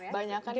banyakan games sih